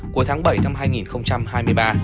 của tháng bảy năm hai nghìn hai mươi ba